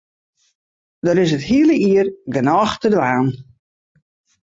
Der is it hiele jier genôch te dwaan.